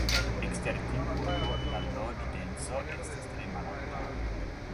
Ekster tiu urbo la loĝdenso estas tre malalta.